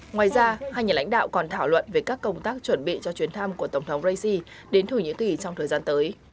ngoài ra hai nhà lãnh đạo còn thảo luận về các công tác chuẩn bị cho chuyến thăm của tổng thống raisi đến thổ nhĩ kỳ trong thời gian tới